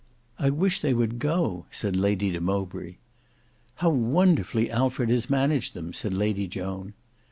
"I wish they would go," said Lady de Mowbray. "How wonderfully Alfred has managed them," said Lady Joan.